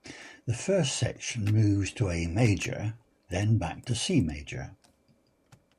The first section moves to A major and then back to C major.